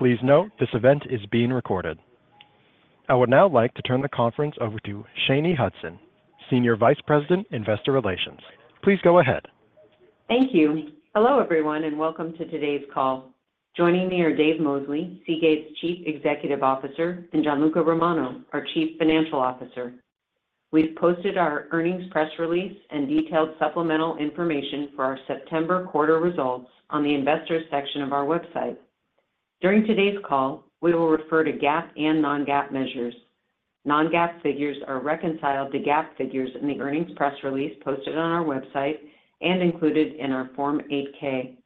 Please note, this event is being recorded. I would now like to turn the conference over to Shanye Hudson, Senior Vice President, Investor Relations. Please go ahead. Thank you. Hello, everyone, and welcome to today's call. Joining me are Dave Mosley, Seagate's Chief Executive Officer, and Gianluca Romano, our Chief Financial Officer. We've posted our earnings press release and detailed supplemental information for our September quarter results on the investors section of our website. During today's call, we will refer to GAAP and non-GAAP measures. Non-GAAP figures are reconciled to GAAP figures in the earnings press release posted on our website and included in our Form 8-K.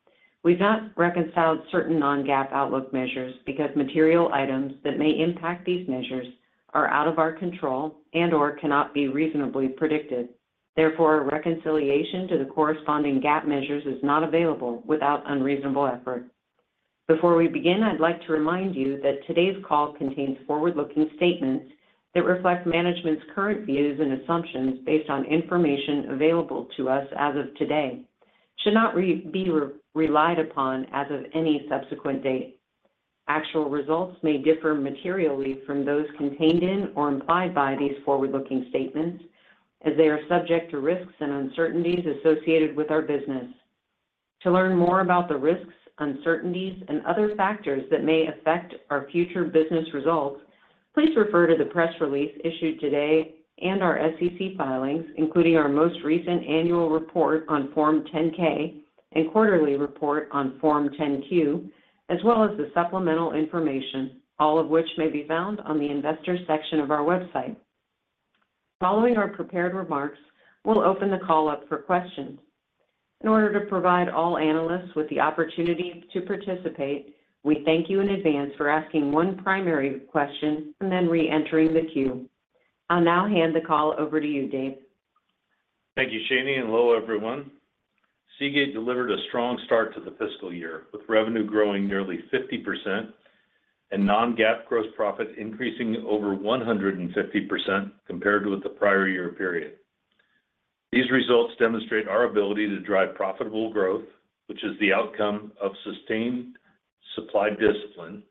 We've not reconciled certain non-GAAP outlook measures because material items that may impact these measures are out of our control and/or cannot be reasonably predicted. Therefore, a reconciliation to the corresponding GAAP measures is not available without unreasonable effort. Before we begin, I'd like to remind you that today's call contains forward-looking statements that reflect management's current views and assumptions based on information available to us as of today, should not be relied upon as of any subsequent date. Actual results may differ materially from those contained in or implied by these forward-looking statements, as they are subject to risks and uncertainties associated with our business. To learn more about the risks, uncertainties, and other factors that may affect our future business results, please refer to the press release issued today and our SEC filings, including our most recent annual report on Form 10-K and quarterly report on Form 10-Q, as well as the supplemental information, all of which may be found on the Investors section of our website. Following our prepared remarks, we'll open the call up for questions. In order to provide all analysts with the opportunity to participate, we thank you in advance for asking one primary question and then reentering the queue. I'll now hand the call over to you, Dave. Thank you, Shanye, and hello, everyone. Seagate delivered a strong start to the fiscal year, with revenue growing nearly 50% and non-GAAP gross profit increasing over 150% compared with the prior year period. These results demonstrate our ability to drive profitable growth, which is the outcome of sustained supply discipline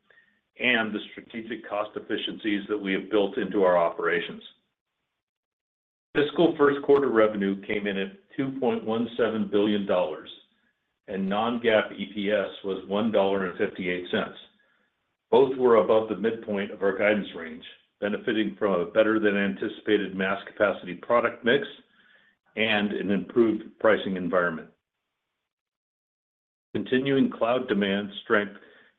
and the strategic cost efficiencies that we have built into our operations. Fiscal first quarter revenue came in at $2.17 billion, and non-GAAP EPS was $1.58. Both were above the midpoint of our guidance range, benefiting from a better than anticipated mass capacity product mix and an improved pricing environment. Continuing cloud demand strength,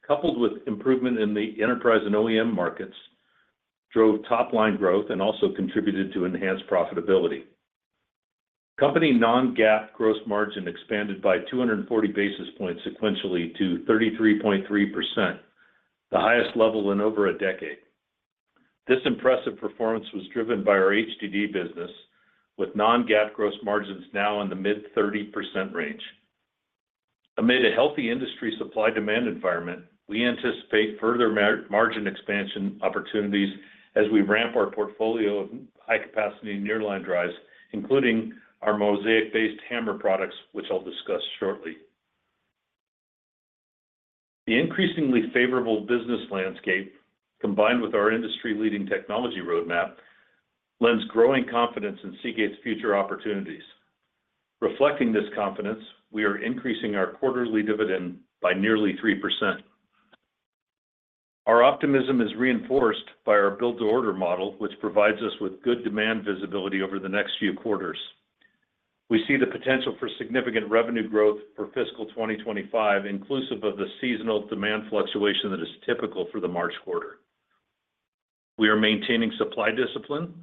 coupled with improvement in the enterprise and OEM markets, drove top-line growth and also contributed to enhanced profitability. Company non-GAAP gross margin expanded by 240 basis points sequentially to 33.3%, the highest level in over a decade. This impressive performance was driven by our HDD business, with non-GAAP gross margins now in the mid-30% range. Amid a healthy industry supply-demand environment, we anticipate further margin expansion opportunities as we ramp our portfolio of high-capacity nearline drives, including our Mozaic-based HAMR products, which I'll discuss shortly. The increasingly favorable business landscape, combined with our industry-leading technology roadmap, lends growing confidence in Seagate's future opportunities. Reflecting this confidence, we are increasing our quarterly dividend by nearly 3%. Our optimism is reinforced by our build-to-order model, which provides us with good demand visibility over the next few quarters. We see the potential for significant revenue growth for fiscal 2025, inclusive of the seasonal demand fluctuation that is typical for the March quarter. We are maintaining supply discipline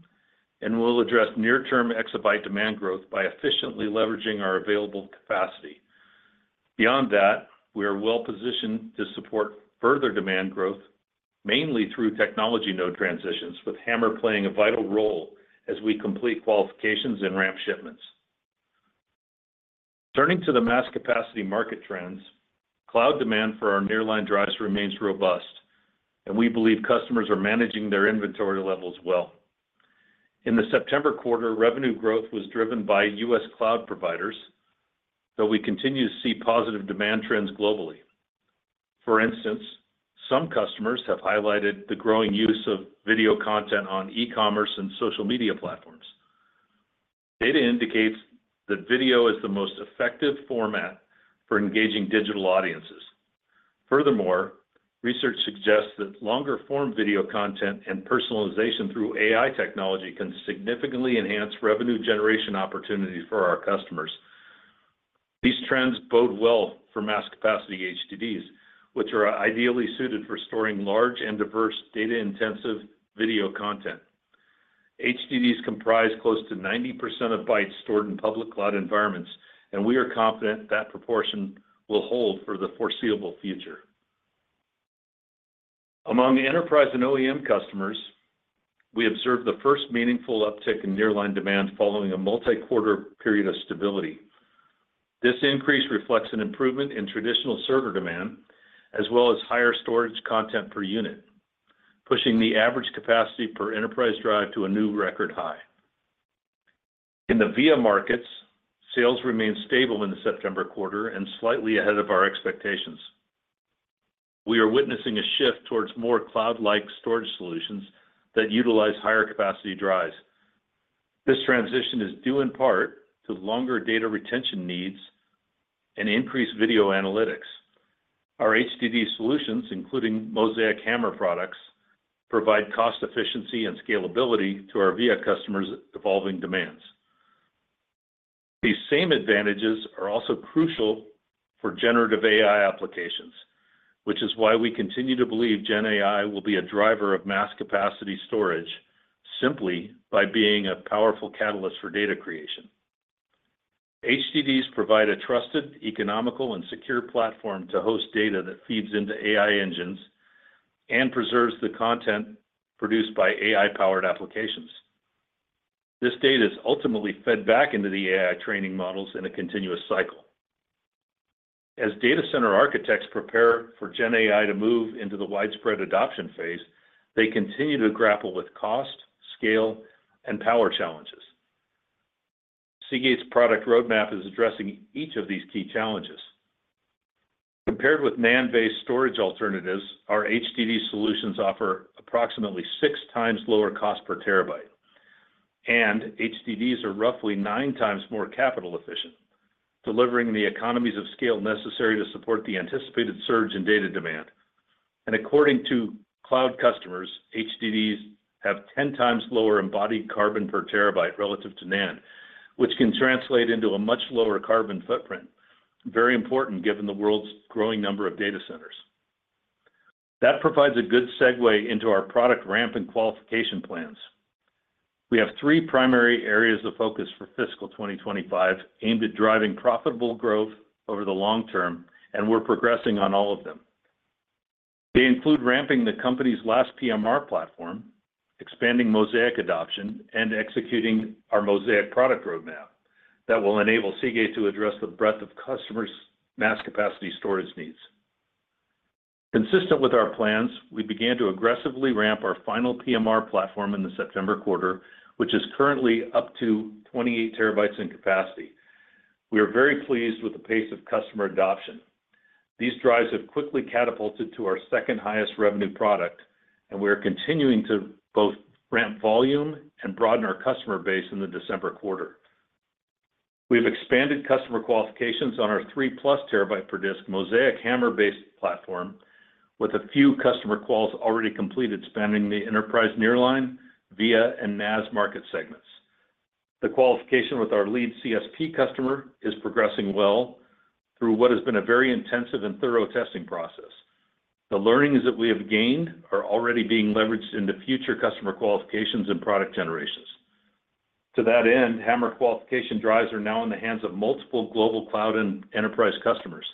and will address near-term EB demand growth by efficiently leveraging our available capacity. Beyond that, we are well positioned to support further demand growth, mainly through technology node transitions, with HAMR playing a vital role as we complete qualifications and ramp shipments. Turning to the mass capacity market trends, cloud demand for our nearline drives remains robust, and we believe customers are managing their inventory levels well. In the September quarter, revenue growth was driven by US cloud providers, though we continue to see positive demand trends globally. For instance, some customers have highlighted the growing use of video content on e-commerce and social media platforms. Data indicates that video is the most effective format for engaging digital audiences. Furthermore, research suggests that longer-form video content and personalization through AI technology can significantly enhance revenue generation opportunities for our customers. These trends bode well for mass capacity HDDs, which are ideally suited for storing large and diverse data-intensive video content. HDDs comprise close to 90% of bytes stored in public cloud environments, and we are confident that proportion will hold for the foreseeable future. Among the enterprise and OEM customers, we observed the first meaningful uptick in nearline demand following a multi-quarter period of stability. This increase reflects an improvement in traditional server demand, as well as higher storage content per unit, pushing the average capacity per enterprise drive to a new record high. In the VIA markets, sales remained stable in the September quarter and slightly ahead of our expectations. We are witnessing a shift towards more cloud-like storage solutions that utilize higher capacity drives. This transition is due in part to longer data retention needs and increased video analytics. Our HDD solutions, including Mozaic HAMR products, provide cost efficiency and scalability to our VIA customers' evolving demands. These same advantages are also crucial for generative AI applications, which is why we continue to believe Gen AI will be a driver of mass capacity storage, simply by being a powerful catalyst for data creation. HDDs provide a trusted, economical, and secure platform to host data that feeds into AI engines and preserves the content produced by AI-powered applications. This data is ultimately fed back into the AI training models in a continuous cycle. As data center architects prepare for Gen AI to move into the widespread adoption phase, they continue to grapple with cost, scale, and power challenges. Seagate's product roadmap is addressing each of these key challenges. Compared with NAND-based storage alternatives, our HDD solutions offer approximately six times lower cost per TB, and HDDs are roughly nine times more capital efficient, delivering the economies of scale necessary to support the anticipated surge in data demand, and according to cloud customers, HDDs have ten times lower embodied carbon per TB relative to NAND, which can translate into a much lower carbon footprint. Very important, given the world's growing number of data centers. That provides a good segue into our product ramp and qualification plans. We have three primary areas of focus for fiscal 2025, aimed at driving profitable growth over the long term, and we're progressing on all of them. They include ramping the company's last PMR platform, expanding Mozaic adoption, and executing our Mozaic product roadmap that will enable Seagate to address the breadth of customers' mass capacity storage needs. Consistent with our plans, we began to aggressively ramp our final PMR platform in the September quarter, which is currently up to 28 TB in capacity. We are very pleased with the pace of customer adoption. These drives have quickly catapulted to our second-highest revenue product, and we are continuing to both ramp volume and broaden our customer base in the December quarter. We have expanded customer qualifications on our 3+ TB per disk Mozaic HAMR-based platform, with a few customer quals already completed, spanning the enterprise nearline, VIA, and NAS market segments. The qualification with our lead CSP customer is progressing well through what has been a very intensive and thorough testing process. The learnings that we have gained are already being leveraged into future customer qualifications and product generations. To that end, HAMR qualification drives are now in the hands of multiple global cloud and enterprise customers.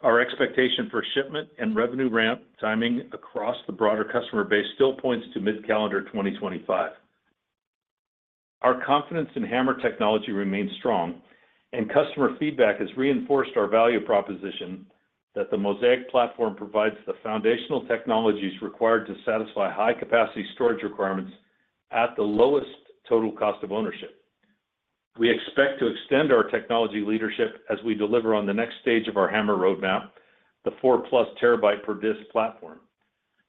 Our expectation for shipment and revenue ramp timing across the broader customer base still points to mid-calendar 2025. Our confidence in HAMR technology remains strong, and customer feedback has reinforced our value proposition that the Mozaic platform provides the foundational technologies required to satisfy high-capacity storage requirements at the lowest total cost of ownership. We expect to extend our technology leadership as we deliver on the next stage of our HAMR roadmap, the 4+ TB per disk platform.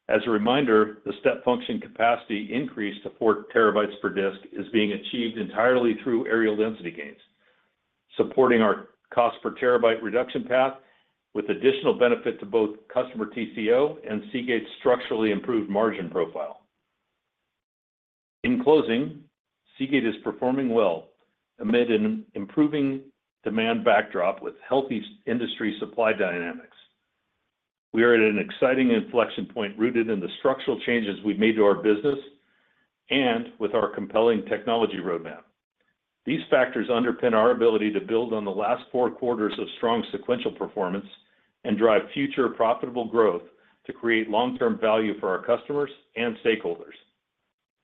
As a reminder, the step function capacity increase to 4 TB per disk is being achieved entirely through areal density gains, supporting our cost per TB reduction path with additional benefit to both customer TCO and Seagate's structurally improved margin profile. In closing, Seagate is performing well amid an improving demand backdrop with healthy industry supply dynamics. We are at an exciting inflection point rooted in the structural changes we've made to our business and with our compelling technology roadmap. These factors underpin our ability to build on the last four quarters of strong sequential performance and drive future profitable growth to create long-term value for our customers and stakeholders.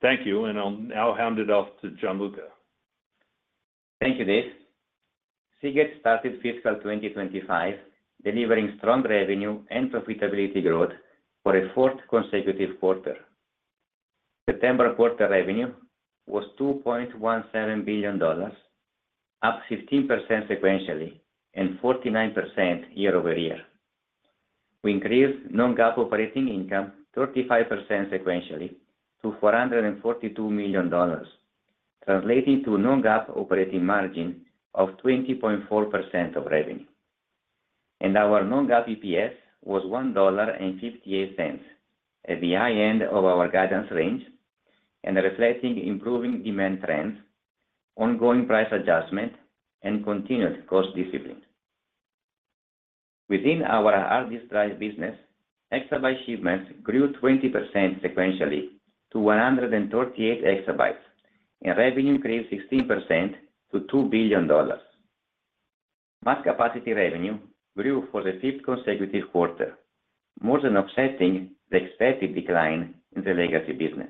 Thank you, and I'll now hand it off to Gianluca. Thank you, Dave. Seagate started fiscal 2025, delivering strong revenue and profitability growth for a fourth consecutive quarter. September quarter revenue was $2.17 billion, up 15% sequentially and 49% year over year. We increased non-GAAP operating income 35% sequentially to $442 million, translating to a non-GAAP operating margin of 20.4% of revenue. And our non-GAAP EPS was $1.58 at the high end of our guidance range and reflecting improving demand trends, ongoing price adjustment, and continued cost discipline. Within our hard disk drive business, EB shipments grew 20% sequentially to 138 EBs, and revenue increased 16% to $2 billion. Mass capacity revenue grew for the fifth consecutive quarter, more than offsetting the expected decline in the legacy business.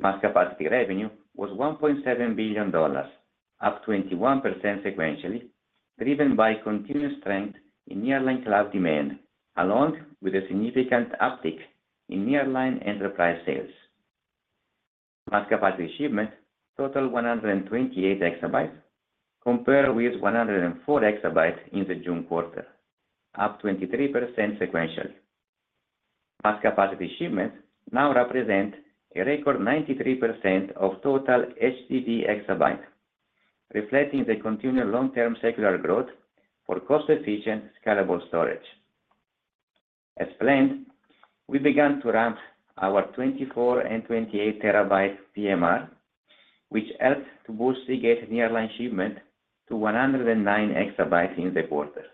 Mass capacity revenue was $1.7 billion, up 21% sequentially, driven by continuous strength in nearline cloud demand, along with a significant uptick in nearline enterprise sales. Mass capacity shipments totaled 128 EBs, compared with 104 EBs in the June quarter, up 23% sequentially. Mass capacity shipments now represent a record 93% of total HDD EBs, reflecting the continued long-term secular growth for cost-efficient, scalable storage. As planned, we began to ramp our 24 and 28 TB PMR, which helped to boost Seagate nearline shipments to 109 EBs in the quarter,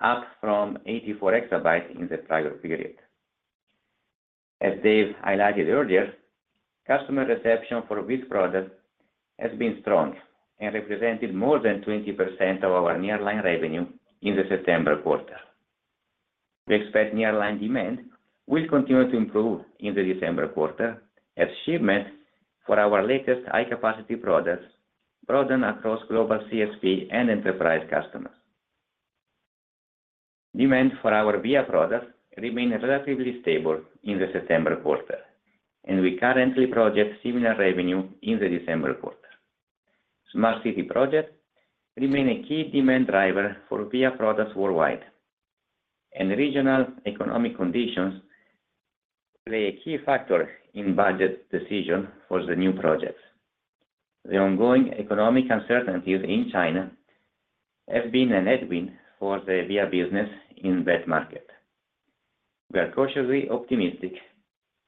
up from 84 EBs in the prior period. As Dave highlighted earlier, customer reception for this product has been strong and represented more than 20% of our nearline revenue in the September quarter. We expect nearline demand will continue to improve in the December quarter, as shipments for our latest high-capacity products broaden across global CSP and enterprise customers. Demand for our VIA products remained relatively stable in the September quarter, and we currently project similar revenue in the December quarter. Smart city projects remain a key demand driver for VIA products worldwide, and regional economic conditions play a key factor in budget decision for the new projects. The ongoing economic uncertainties in China have been a headwind for the VIA business in that market. We are cautiously optimistic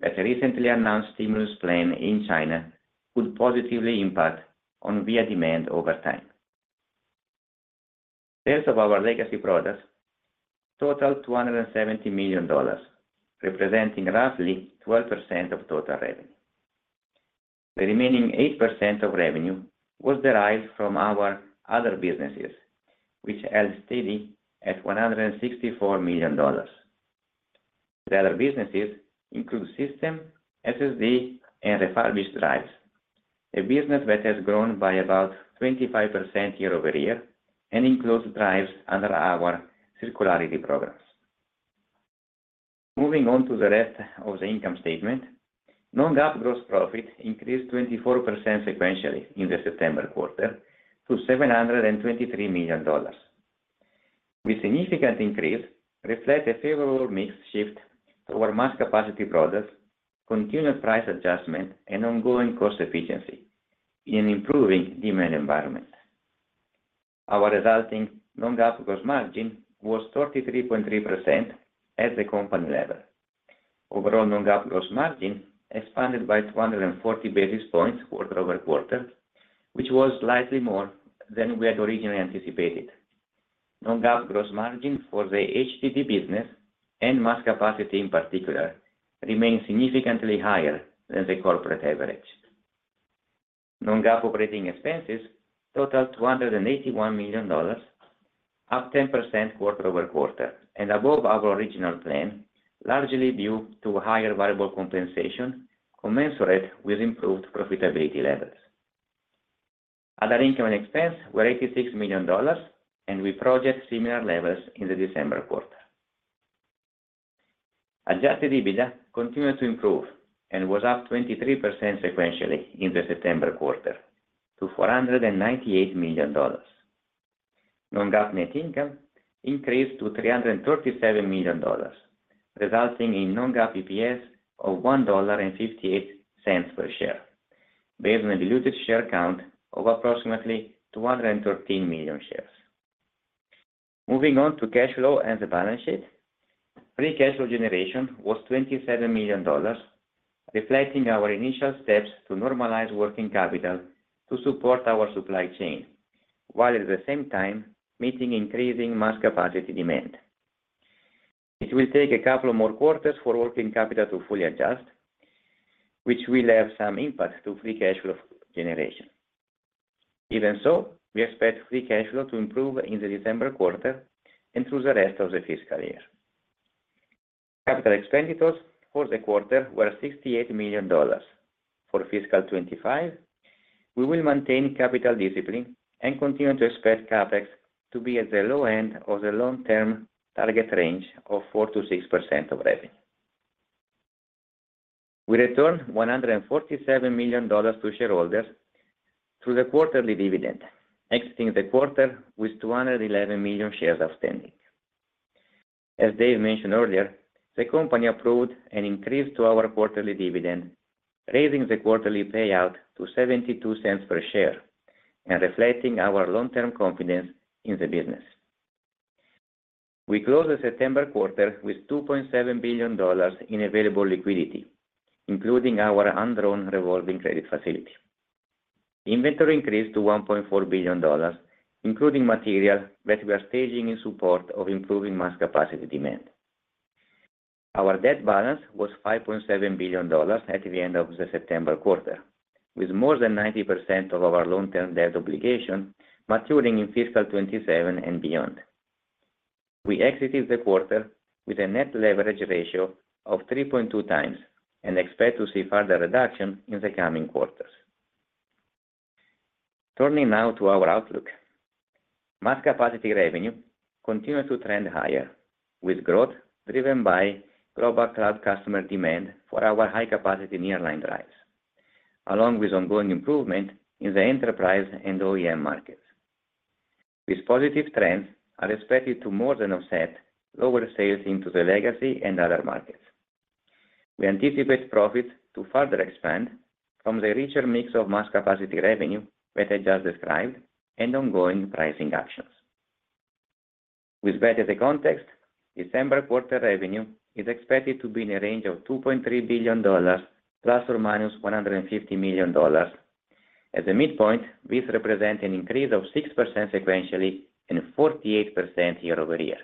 that the recently announced stimulus plan in China could positively impact on VIA demand over time. Sales of our legacy products totaled $270 million, representing roughly 12% of total revenue. The remaining 8% of revenue was derived from our other businesses, which held steady at $164 million. The other businesses include system, SSD, and refurbished drives, a business that has grown by about 25% year over year and includes drives under our circularity programs. Moving on to the rest of the income statement. Non-GAAP gross profit increased 24% sequentially in the September quarter to $723 million. The significant increase reflect a favorable mix shift to our mass capacity products, continued price adjustment, and ongoing cost efficiency in an improving demand environment. Our resulting non-GAAP gross margin was 33.3% at the company level. Overall, non-GAAP gross margin expanded by 240 basis points quarter over quarter, which was slightly more than we had originally anticipated. Non-GAAP gross margin for the HDD business and mass capacity in particular, remained significantly higher than the corporate average. Non-GAAP operating expenses totaled $281 million, up 10% quarter over quarter, and above our original plan, largely due to higher variable compensation commensurate with improved profitability levels. Other income and expense were $86 million, and we project similar levels in the December quarter. Adjusted EBITDA continued to improve and was up 23% sequentially in the September quarter to $498 million. Non-GAAP net income increased to $337 million, resulting in non-GAAP EPS of $1.58 per share, based on a diluted share count of approximately 213 million shares. Moving on to cash flow and the balance sheet. Free cash flow generation was $27 million, reflecting our initial steps to normalize working capital to support our supply chain, while at the same time, meeting increasing mass capacity demand. It will take a couple more quarters for working capital to fully adjust, which will have some impact to free cash flow generation. Even so, we expect free cash flow to improve in the December quarter and through the rest of the fiscal year. Capital expenditures for the quarter were $68 million. For fiscal 2025, we will maintain capital discipline and continue to expect CapEx to be at the low end of the long-term target range of 4%-6% of revenue. We returned $147 million to shareholders through the quarterly dividend, exiting the quarter with 211 million shares outstanding. As Dave mentioned earlier, the company approved an increase to our quarterly dividend, raising the quarterly payout to $0.72 per share and reflecting our long-term confidence in the business. We closed the September quarter with $2.7 billion in available liquidity, including our undrawn revolving credit facility. Inventory increased to $1.4 billion, including material that we are staging in support of improving mass capacity demand. Our debt balance was $5.7 billion at the end of the September quarter, with more than 90% of our long-term debt obligation maturing in fiscal 27 and beyond. We exited the quarter with a net leverage ratio of 3.2 times and expect to see further reduction in the coming quarters. Turning now to our outlook. Mass capacity revenue continues to trend higher, with growth driven by global cloud customer demand for our high-capacity nearline drives, along with ongoing improvement in the enterprise and OEM markets. These positive trends are expected to more than offset lower sales into the legacy and other markets. We anticipate profits to further expand from the richer mix of mass capacity revenue that I just described and ongoing pricing actions. With that as the context, December quarter revenue is expected to be in a range of $2.3 billion, ±$150 million. At the midpoint, this represent an increase of 6% sequentially and 48% year over year.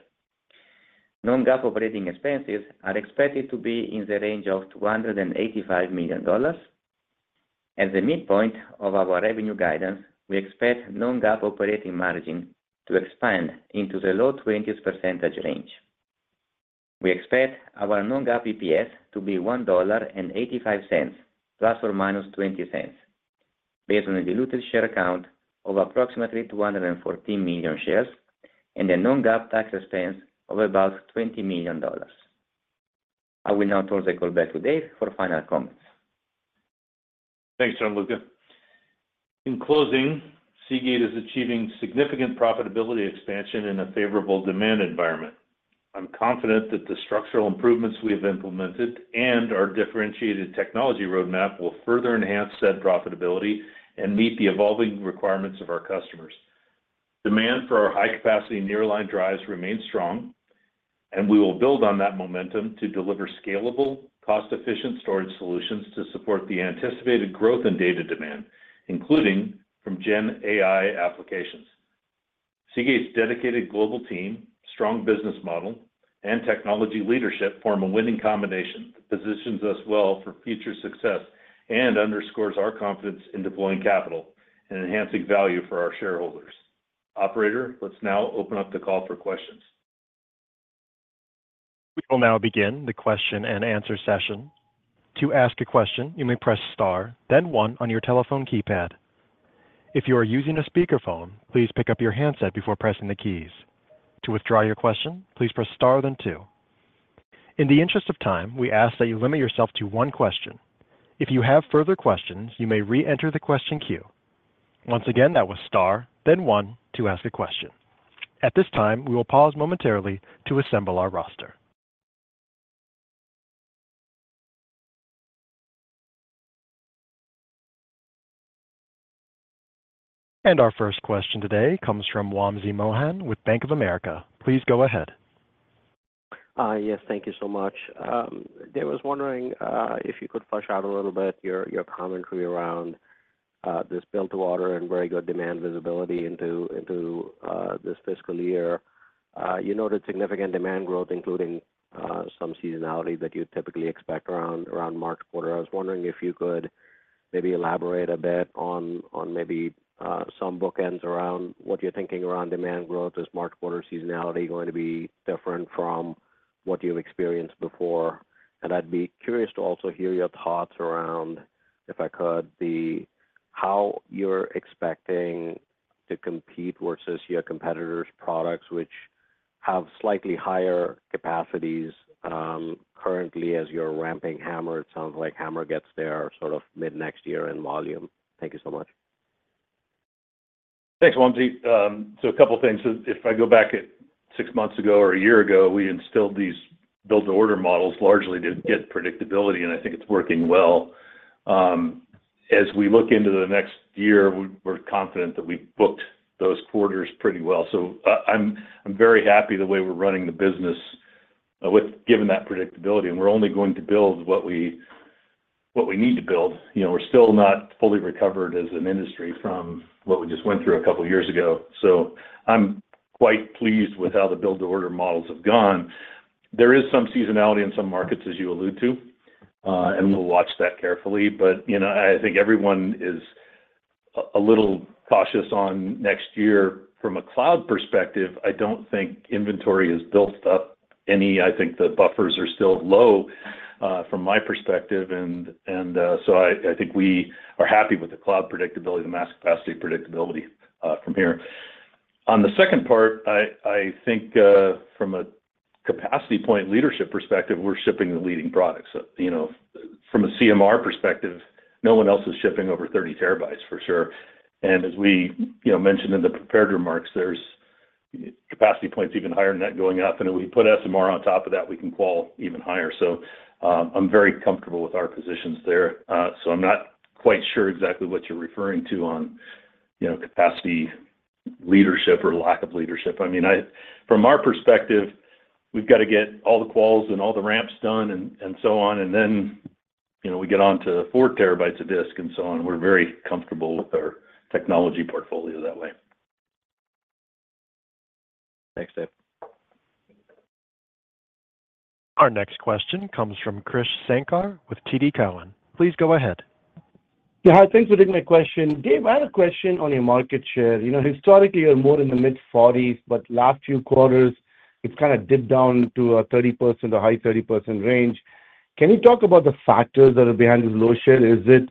Non-GAAP operating expenses are expected to be in the range of $285 million. At the midpoint of our revenue guidance, we expect non-GAAP operating margin to expand into the low 20s% range. We expect our non-GAAP EPS to be $1.85, ±$0.20, based on a diluted share count of approximately 214 million shares and a non-GAAP tax expense of about $20 million. I will now turn the call back to Dave for final comments. Thanks, Gianluca. In closing, Seagate is achieving significant profitability expansion in a favorable demand environment. I'm confident that the structural improvements we have implemented and our differentiated technology roadmap will further enhance said profitability and meet the evolving requirements of our customers. Demand for our high-capacity nearline drives remains strong, and we will build on that momentum to deliver scalable, cost-efficient storage solutions to support the anticipated growth in data demand, including from Gen AI applications. Seagate's dedicated global team, strong business model, and technology leadership form a winning combination that positions us well for future success and underscores our confidence in deploying capital and enhancing value for our shareholders. Operator, let's now open up the call for questions. We will now begin the question-and-answer session. To ask a question, you may press star, then one on your telephone keypad. If you are using a speakerphone, please pick up your handset before pressing the keys. To withdraw your question, please press star, then two. In the interest of time, we ask that you limit yourself to one question. If you have further questions, you may reenter the question queue. Once again, that was star, then one to ask a question. At this time, we will pause momentarily to assemble our roster. And our first question today comes from Wamsi Mohan with Bank of America. Please go ahead. Yes, thank you so much. Dave, I was wondering if you could flesh out a little bit your commentary around this build-to-order and very good demand visibility into this fiscal year. You noted significant demand growth, including some seasonality that you'd typically expect around March quarter. I was wondering if you could maybe elaborate a bit on maybe some bookends around what you're thinking around demand growth. Is March quarter seasonality going to be different from what you've experienced before? And I'd be curious to also hear your thoughts around, if I could, the how you're expecting to compete versus your competitors' products, which have slightly higher capacities currently as you're ramping HAMR. It sounds like HAMR gets there sort of mid-next year in volume. Thank you so much. Thanks, Wamsi. So a couple of things. If I go back at six months ago or a year ago, we instilled these build-to-order models largely to get predictability, and I think it's working well. As we look into the next year, we're confident that we've booked those quarters pretty well, so I'm very happy the way we're running the business with given that predictability, and we're only going to build what we need to build. You know, we're still not fully recovered as an industry from what we just went through a couple of years ago, so I'm quite pleased with how the build-to-order models have gone. There is some seasonality in some markets, as you allude to, and we'll watch that carefully, but you know, I think everyone is a little cautious on next year. From a cloud perspective, I don't think inventory has built up any. I think the buffers are still low from my perspective, so I think we are happy with the cloud predictability, the mass capacity predictability from here. On the second part, I think from a capacity point leadership perspective, we're shipping the leading products. You know, from a CMR perspective, no one else is shipping over 30 TB, for sure. And as we, you know, mentioned in the prepared remarks, there's capacity points even higher than that going up, and if we put SMR on top of that, we can call even higher. I'm very comfortable with our positions there. I'm not quite sure exactly what you're referring to on, you know, capacity leadership or lack of leadership. I mean, from our perspective, we've got to get all the quals and all the ramps done and, and so on, and then, you know, we get on to 4 TB a disk and so on. We're very comfortable with our technology portfolio that way. Thanks, Dave.... Our next question comes from Krish Sankar with TD Cowen. Please go ahead. Yeah, hi. Thanks for taking my question. Dave, I had a question on your market share. You know, historically, you're more in the mid-forties, but last few quarters, it's kind of dipped down to 30% to high 30% range. Can you talk about the factors that are behind this low share? Is it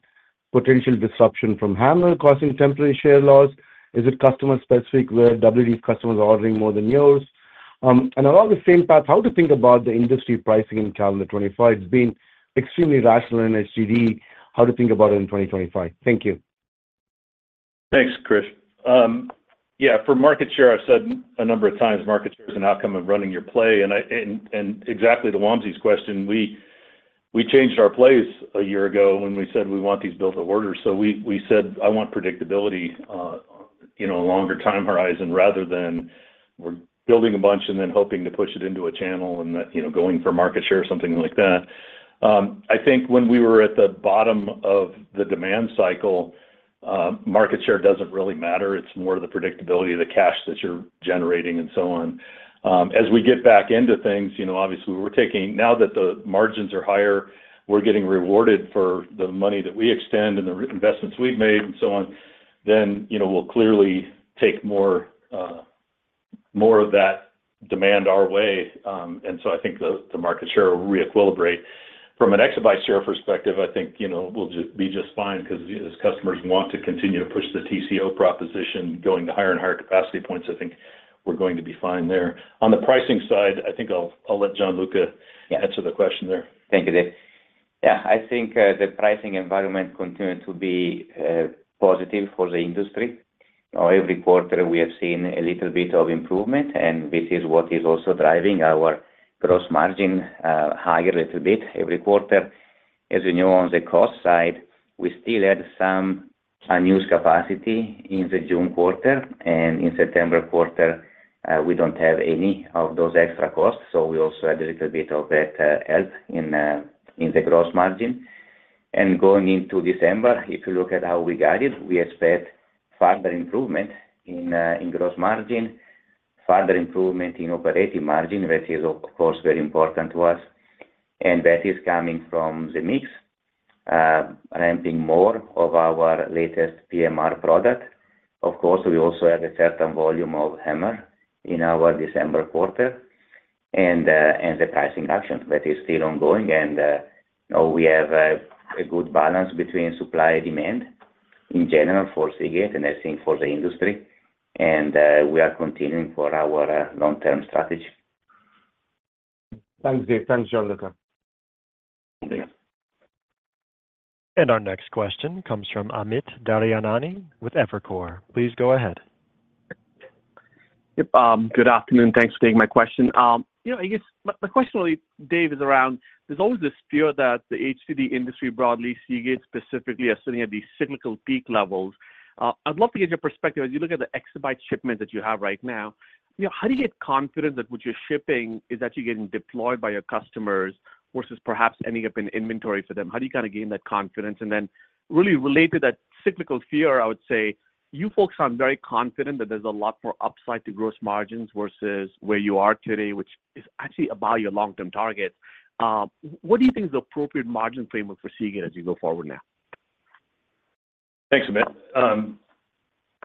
potential disruption from HAMR causing temporary share loss? Is it customer specific, where WD customers are ordering more than yours? And along the same path, how to think about the industry pricing in calendar 2025? It's been extremely rational in HDD. How to think about it in 2025? Thank you. Thanks, Krish. Yeah, for market share, I've said a number of times, market share is an outcome of running your play, and exactly to Wamsi's question, we changed our plays a year ago when we said we want these built to order. So we said, "I want predictability, you know, a longer time horizon," rather than we're building a bunch and then hoping to push it into a channel and that, you know, going for market share or something like that. I think when we were at the bottom of the demand cycle, market share doesn't really matter. It's more the predictability of the cash that you're generating and so on. As we get back into things, you know, obviously, we're taking. Now that the margins are higher, we're getting rewarded for the money that we extend and the investments we've made and so on, then, you know, we'll clearly take more, more of that demand our way, and so I think the market share will re-equilibrate. From an EB share perspective, I think, you know, we'll just be fine because as customers want to continue to push the TCO proposition, going to higher and higher capacity points, I think we're going to be fine there. On the pricing side, I think I'll let Gianluca- Yeah. -answer the question there. Thank you, Dave. Yeah, I think, the pricing environment continues to be, positive for the industry. Every quarter, we have seen a little bit of improvement, and this is what is also driving our gross margin, higher a little bit every quarter. As you know, on the cost side, we still had some unused capacity in the June quarter, and in September quarter, we don't have any of those extra costs, so we also had a little bit of that, help in, in the gross margin. And going into December, if you look at how we guided, we expect further improvement in, in gross margin, further improvement in operating margin, which is, of course, very important to us, and that is coming from the mix, ramping more of our latest PMR product. Of course, we also have a certain volume of HAMR in our December quarter and the pricing actions that is still ongoing. You know, we have a good balance between supply and demand in general for Seagate, and I think for the industry, and we are continuing for our long-term strategy. Thanks, Dave. Thanks, Gianluca. Thanks. And our next question comes from Amit Daryanani with Evercore. Please go ahead. Yep, good afternoon. Thanks for taking my question. You know, I guess my question, Dave, is around there's always this fear that the HDD industry broadly, Seagate specifically, are sitting at these cyclical peak levels. I'd love to get your perspective as you look at the EB shipment that you have right now, you know, how do you get confident that what you're shipping is actually getting deployed by your customers versus perhaps ending up in inventory for them? How do you kind of gain that confidence? And then really related to that cyclical fear, I would say, you folks are very confident that there's a lot more upside to gross margins versus where you are today, which is actually about your long-term target. What do you think is the appropriate margin framework for Seagate as you go forward now? Thanks, Amit.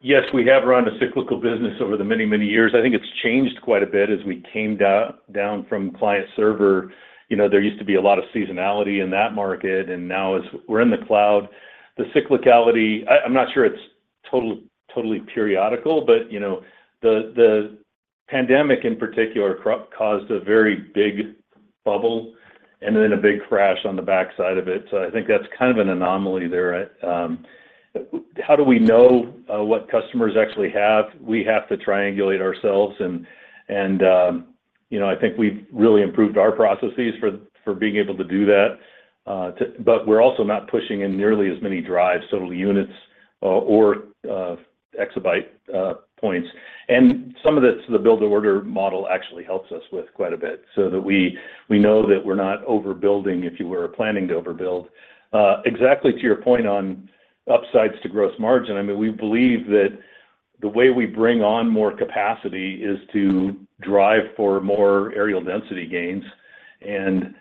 Yes, we have run a cyclical business over the many, many years. I think it's changed quite a bit as we came down from client-server. You know, there used to be a lot of seasonality in that market, and now as we're in the cloud, the cyclicality. I'm not sure it's totally periodical, but, you know, the pandemic, in particular, caused a very big bubble and then a big crash on the backside of it. So I think that's kind of an anomaly there. How do we know what customers actually have? We have to triangulate ourselves and, you know, I think we've really improved our processes for being able to do that, but we're also not pushing in nearly as many drives, total units or EB points. And some of this, the build-to-order model actually helps us with quite a bit, so that we know that we're not overbuilding, if you were planning to overbuild. Exactly to your point on upsides to gross margin, I mean, we believe that the way we bring on more capacity is to drive for more areal density gains, and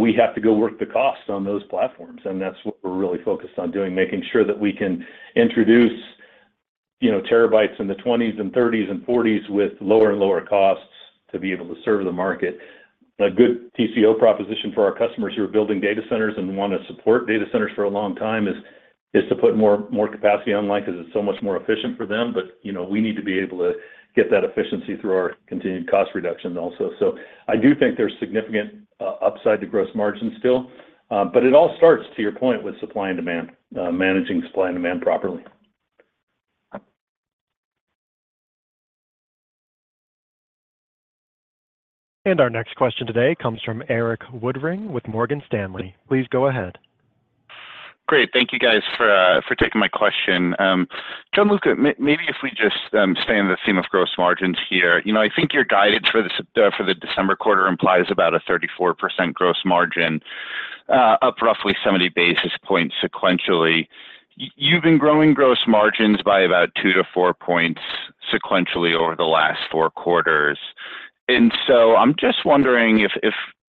we have to go work the costs on those platforms, and that's what we're really focused on doing, making sure that we can introduce, TBs in the twenties and thirties and forties with lower and lower costs to be able to serve the market. A good TCO proposition for our customers who are building data centers and want to support data centers for a long time is to put more capacity online because it's so much more efficient for them, but, you know, we need to be able to get that efficiency through our continued cost reduction also. So I do think there's significant upside to gross margin still, but it all starts, to your point, with supply and demand, managing supply and demand properly. Our next question today comes from Erik Woodring with Morgan Stanley. Please go ahead. Great. Thank you, guys, for taking my question. Gianluca, maybe if we just stay in the theme of gross margins here. You know, I think your guidance for the December quarter implies about a 34% gross margin. up roughly 70 basis points sequentially. You've been growing gross margins by about two to four points sequentially over the last four quarters. And so I'm just wondering if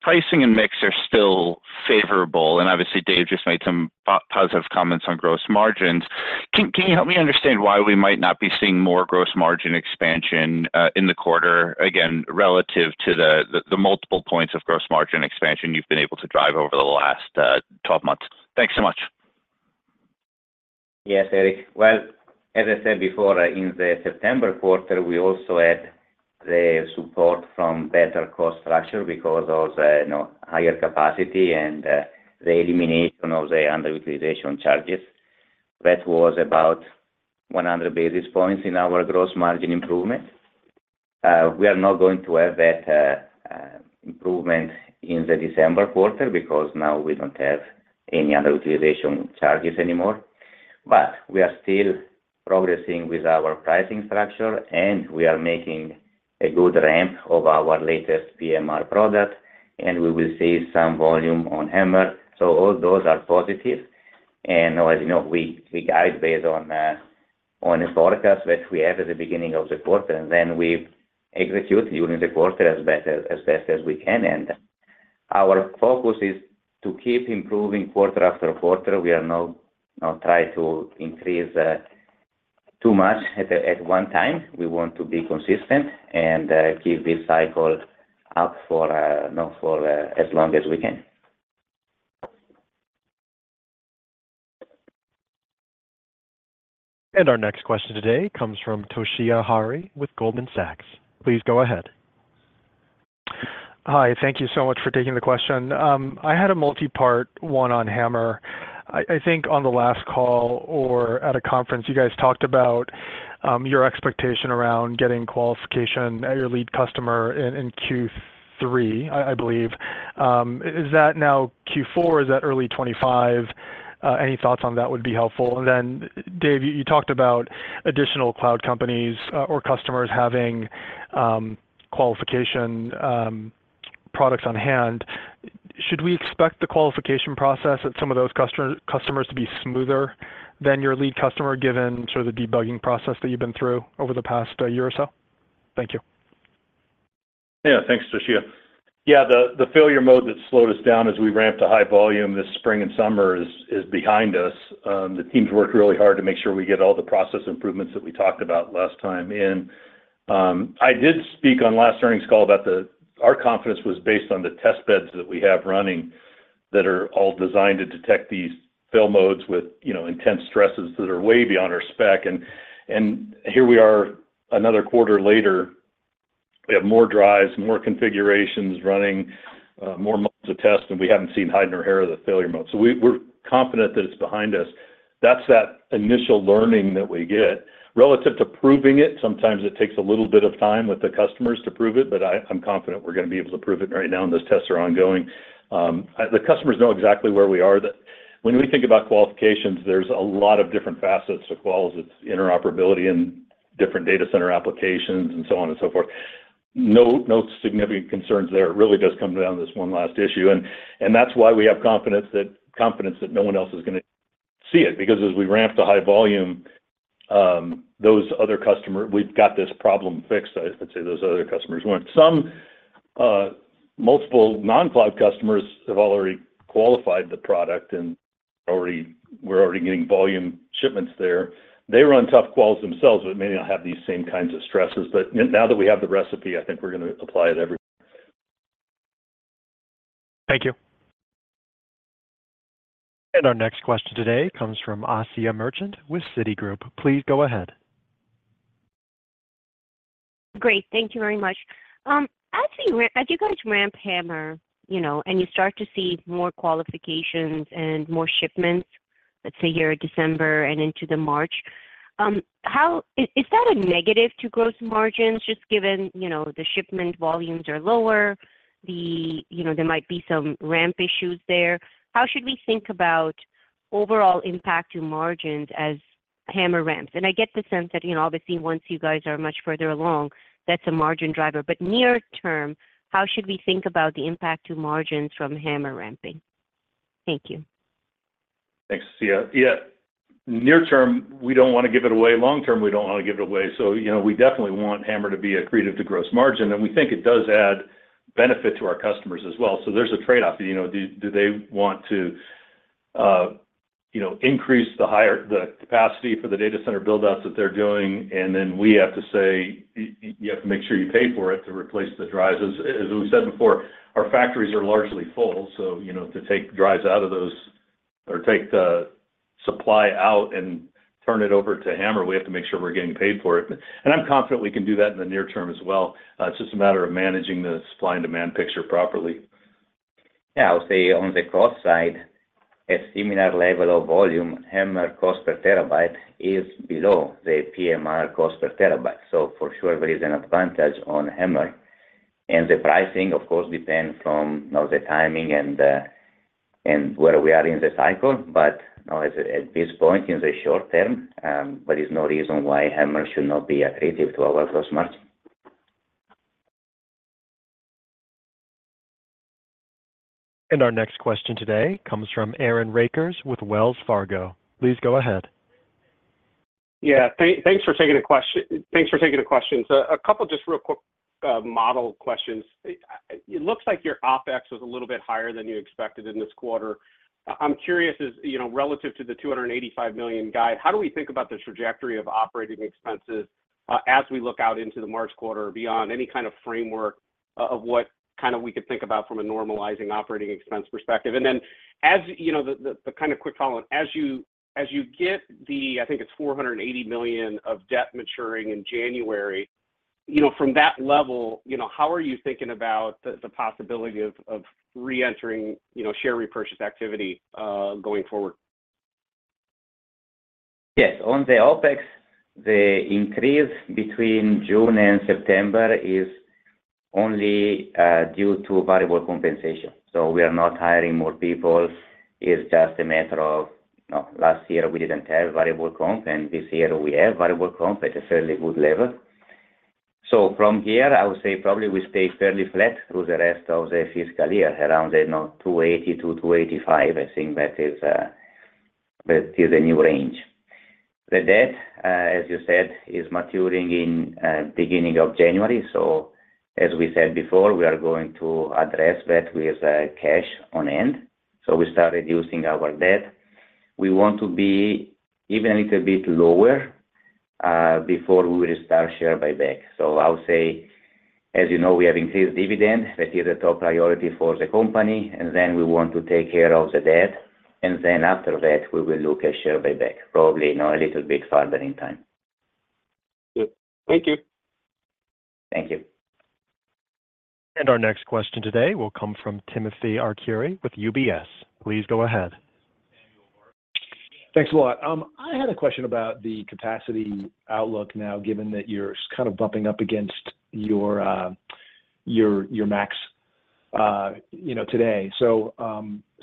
pricing and mix are still favorable, and obviously, Dave just made some positive comments on gross margins. Can you help me understand why we might not be seeing more gross margin expansion in the quarter, again, relative to the multiple points of gross margin expansion you've been able to drive over the last 12 months? Thanks so much. Yes, Erik. Well, as I said before, in the September quarter, we also had the support from better cost structure because of you know, higher capacity and the elimination of the underutilization charges. That was about 100 basis points in our gross margin improvement. We are not going to have that improvement in the December quarter because now we don't have any underutilization charges anymore. But we are still progressing with our pricing structure, and we are making a good ramp of our latest PMR product, and we will see some volume on HAMR, so all those are positive. And as you know, we guide based on on a forecast that we have at the beginning of the quarter, and then we execute during the quarter as best as we can. Our focus is to keep improving quarter after quarter. We are not trying to increase too much at one time. We want to be consistent and keep this cycle up for, you know, for as long as we can. Our next question today comes from Toshiya Hari with Goldman Sachs. Please go ahead. Hi, thank you so much for taking the question. I had a multi-part, one on HAMR. I think on the last call or at a conference, you guys talked about your expectation around getting qualification at your lead customer in Q3, I believe. Is that now Q4? Is that early '25? Any thoughts on that would be helpful. And then, Dave, you talked about additional cloud companies or customers having qualification products on hand. Should we expect the qualification process at some of those customers to be smoother than your lead customer, given sort of the debugging process that you've been through over the past year or so? Thank you. Yeah, thanks, Toshiya. Yeah, the failure mode that slowed us down as we ramped to high volume this spring and summer is behind us. The teams worked really hard to make sure we get all the process improvements that we talked about last time. And I did speak on last earnings call about the... Our confidence was based on the test beds that we have running that are all designed to detect these fail modes with, you know, intense stresses that are way beyond our spec. And here we are, another quarter later, we have more drives, more configurations running, more months of test, and we haven't seen hide nor hair of the failure mode. So we're confident that it's behind us. That's that initial learning that we get. Relative to proving it, sometimes it takes a little bit of time with the customers to prove it, but I, I'm confident we're going to be able to prove it. Right now, those tests are ongoing. The customers know exactly where we are. That when we think about qualifications, there's a lot of different facets to quals. It's interoperability in different data center applications and so on and so forth. No, no significant concerns there. It really does come down to this one last issue, and, and that's why we have confidence that, confidence that no one else is going to see it, because as we ramp to high volume, those other customer- we've got this problem fixed, I'd say those other customers want. Some, multiple non-cloud customers have already qualified the product and we're already getting volume shipments there. They run tough quals themselves, but may not have these same kinds of stresses, but now that we have the recipe, I think we're going to apply it everywhere. Thank you. Our next question today comes from Asiya Merchant with Citigroup. Please go ahead. Great. Thank you very much. As you guys ramp HAMR, you know, and you start to see more qualifications and more shipments, let's say, here in December and into the March, is that a negative to gross margins, just given, you know, the shipment volumes are lower, the, you know, there might be some ramp issues there? How should we think about overall impact to margins as HAMR ramps? And I get the sense that, you know, obviously, once you guys are much further along, that's a margin driver. But near term, how should we think about the impact to margins from HAMR ramping? Thank you. Thanks, Asiya. Yeah, near term, we don't want to give it away. Long term, we don't want to give it away. So, you know, we definitely want HAMR to be accretive to gross margin, and we think it does add benefit to our customers as well. So there's a trade-off. You know, do they want to, you know, increase the higher the capacity for the data center build-outs that they're doing, and then we have to say, "You have to make sure you pay for it to replace the drives?" As we said before, our factories are largely full, so, you know, to take drives out of those or take the supply out and turn it over to HAMR, we have to make sure we're getting paid for it. And I'm confident we can do that in the near term as well. It's just a matter of managing the supply and demand picture properly. Yeah, I would say on the cost side, a similar level of volume, HAMR cost per TB is below the PMR cost per TB. So for sure, there is an advantage on HAMR. And the pricing, of course, depend from, you know, the timing and where we are in the cycle. But at this point, in the short term, there is no reason why HAMR should not be accretive to our gross margin. Our next question today comes from Aaron Rakers with Wells Fargo. Please go ahead. Yeah, thanks for taking the questions. A couple just real quick model questions. It looks like your OpEx was a little bit higher than you expected in this quarter. I'm curious, as you know, relative to the $285 million guide, how do we think about the trajectory of operating expenses as we look out into the March quarter or beyond any kind of framework of what kind we could think about from a normalizing operating expense perspective? And then, as you know, the kind of quick follow-up, as you get the, I think it's $480 million of debt maturing in January, you know, from that level, you know, how are you thinking about the possibility of re-entering, you know, share repurchase activity going forward? Yes. On the OpEx, the increase between June and September is only due to variable compensation. So we are not hiring more people. It's just a matter of, you know, last year we didn't have variable comp, and this year we have variable comp at a fairly good level. So from here, I would say probably we stay fairly flat through the rest of the fiscal year, around the, you know, 280 to 285. I think that is that is the new range. The debt, as you said, is maturing in beginning of January. So as we said before, we are going to address that with cash on hand, so we start reducing our debt. We want to be even a little bit lower before we will start share buyback. So I would say, as you know, we have increased dividend. That is the top priority for the company, and then we want to take care of the debt, and then after that, we will look at share buyback, probably, you know, a little bit further in time. Good. Thank you. Thank you. Our next question today will come from Timothy Arcuri with UBS. Please go ahead. Thanks a lot. I had a question about the capacity outlook now, given that you're kind of bumping up against your max, you know, today. So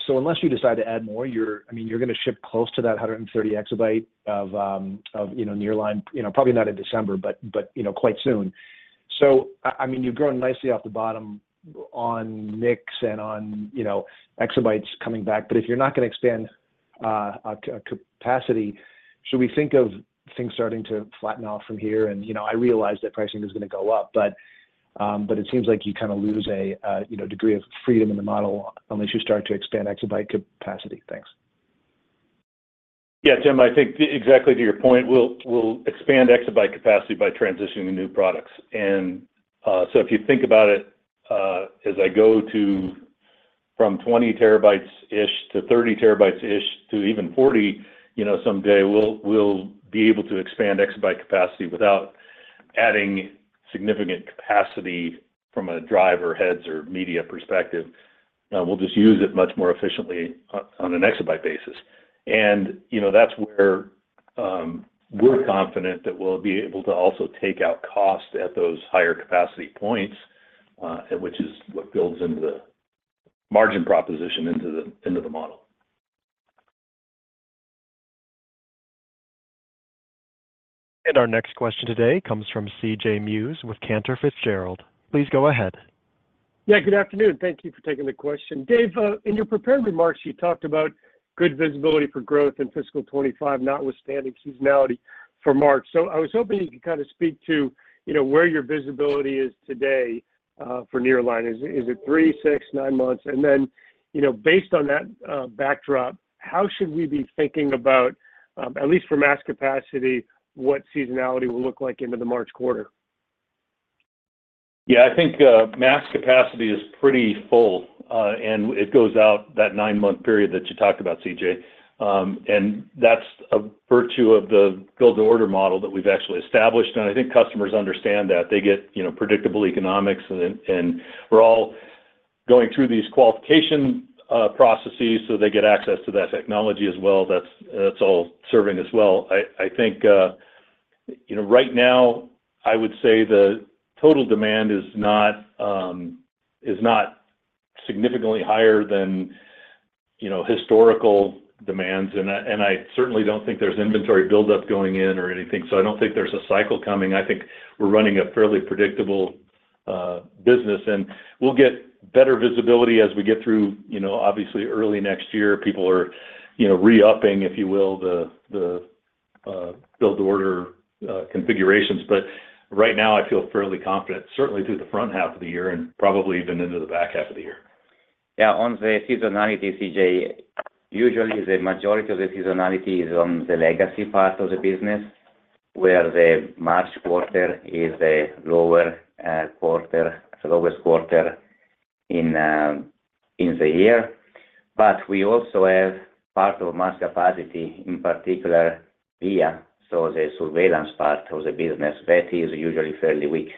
unless you decide to add more, you're, I mean, you're gonna ship close to that 130 EB of nearline, you know, probably not in December, but you know, quite soon. So I mean, you've grown nicely off the bottom on mix and on you know, EBs coming back, but if you're not gonna expand capacity, should we think of things starting to flatten off from here? And you know, I realize that pricing is gonna go up, but it seems like you kind of lose a you know, degree of freedom in the model unless you start to expand EB capacity. Thanks. Yeah, Tim, I think exactly to your point, we'll expand EB capacity by transitioning to new products. And so if you think about it, as I go from 20 TB-ish to 30 TB-ish to even 40, you know, someday, we'll be able to expand EB capacity without adding significant capacity from a drive, heads, or media perspective. We'll just use it much more efficiently on an EB basis. And you know, that's where we're confident that we'll be able to also take out cost at those higher capacity points, which is what builds into the margin proposition into the model. And our next question today comes from C.J. Muse with Cantor Fitzgerald. Please go ahead. Yeah, good afternoon. Thank you for taking the question. Dave, in your prepared remarks, you talked about good visibility for growth in fiscal 25, notwithstanding seasonality for March. So I was hoping you could kind of speak to, you know, where your visibility is today, for nearline. Is, is it three, six, nine months? And then, you know, based on that backdrop, how should we be thinking about at least for mass capacity, what seasonality will look like into the March quarter? Yeah, I think, mass capacity is pretty full, and it goes out that nine-month period that you talked about, CJ. And that's a virtue of the build-to-order model that we've actually established, and I think customers understand that. They get, you know, predictable economics, and then, and we're all going through these qualification processes, so they get access to that technology as well. That's all serving as well. I think, you know, right now, I would say the total demand is not, is not significantly higher than, you know, historical demands, and I certainly don't think there's inventory buildup going in or anything, so I don't think there's a cycle coming. I think we're running a fairly predictable business, and we'll get better visibility as we get through, you know, obviously, early next year. People are, you know, re-upping, if you will, the build-to-order configurations. But right now, I feel fairly confident, certainly through the front half of the year and probably even into the back half of the year. Yeah, on the seasonality, CJ, usually the majority of the seasonality is on the legacy part of the business, where the March quarter is a lower quarter. It's the lowest quarter in the year. But we also have part of mass capacity, in particular, VIA, so the surveillance part of the business. That is usually fairly weak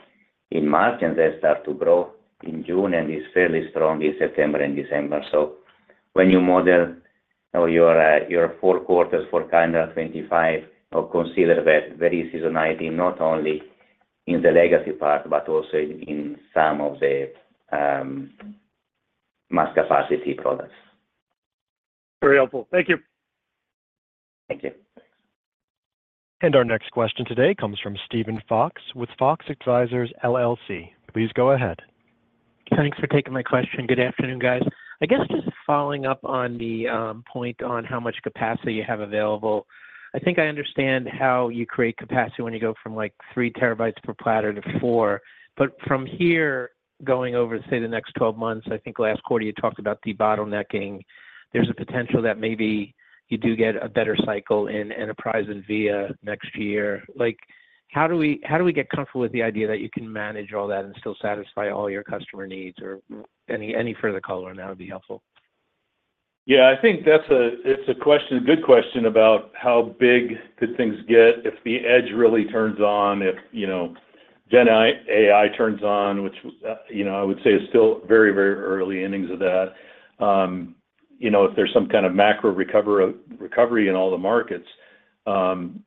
in March, and then start to grow in June, and it's fairly strong in September and December. So when you model your four quarters for calendar 2025, consider that there is seasonality, not only in the legacy part, but also in some of the mass capacity products. Very helpful. Thank you. Thank you. Our next question today comes from Steven Fox with Fox Advisors LLC. Please go ahead. Thanks for taking my question. Good afternoon, guys. I guess just following up on the point on how much capacity you have available. I think I understand how you create capacity when you go from, like, 3 TB per platter to four. But from here, going over, say, the next twelve months, I think last quarter you talked about debottlenecking. There's a potential that maybe you do get a better cycle in enterprise and VIA next year. Like, how do we, how do we get comfortable with the idea that you can manage all that and still satisfy all your customer needs, or any, any further color on that would be helpful? Yeah, I think that's it's a question, a good question about how big could things get if the edge really turns on, if, you know, Gen AI turns on, which, you know, I would say is still very, very early innings of that. You know, if there's some kind of macro recovery in all the markets, and